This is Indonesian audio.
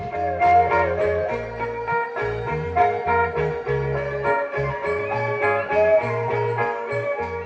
dan generasi berikutnya bisa menyaksikan peristiwa yang luar biasa ini